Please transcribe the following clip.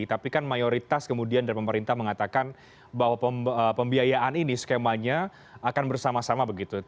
tapi kan mayoritas kemudian dari pemerintah mengatakan bahwa pembiayaan ini skemanya akan bersama sama begitu